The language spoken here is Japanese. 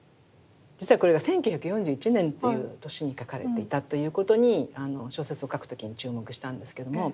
実はこれが１９４１年という年に描かれていたということに小説を書く時に注目したんですけれども。